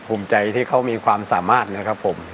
ภูมิใจที่เขามีความสามารถนะครับผม